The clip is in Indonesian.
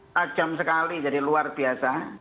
tajam sekali jadi luar biasa